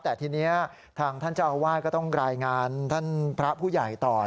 แต่ทีนี้ทางท่านเจ้าอาวาสก็ต้องรายงานท่านพระผู้ใหญ่ต่อ